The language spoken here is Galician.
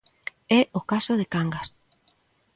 É o caso de Cangas.